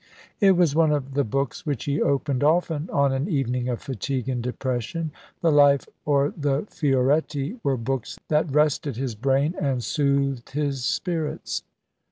It was one of the books which he opened often on an evening of fatigue and depression. The "Life" or the "Fioretti" were books that rested his brain and soothed his spirits.